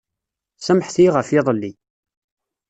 Samḥet-iyi ɣef yiḍelli.